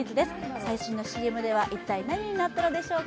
最新のＣＭでは一体、何になったのでしょうか。